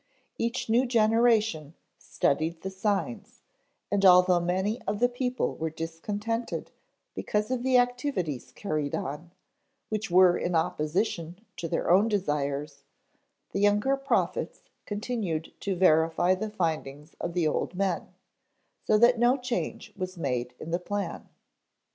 Each new generation studied the signs, and although many of the people were discontented because of the activities carried on, which were in opposition to their own desires, the younger prophets continued to verify the findings of the old men, so that no change was made in the plan.